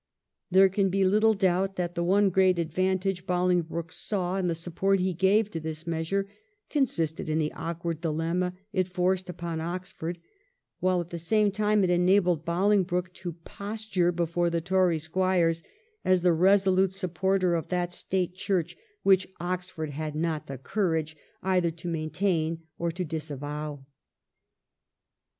There can be little doubt that the one great advantage Boling broke saw in the support he gave to this measure consisted in the awkward dilemma it forced upon Oxford, while at the same time it enabled Boling broke to posture before the Tory squires as the resolute supporter of that State Church which Oxford 346 THE REIGN OF QUEEN ANNE. oh. xxxvii. had not the courage either to maintain or to dis avow.